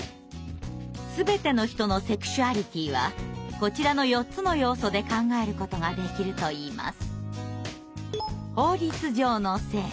全ての人のセクシュアリティーはこちらの４つの要素で考えることができるといいます。